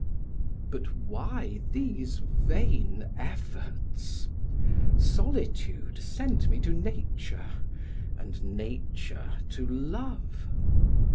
But why these vain efforts? Solitude sent me to nature, and nature to love.